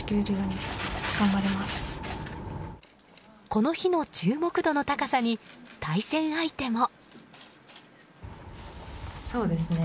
この日の注目度の高さに対戦相手も。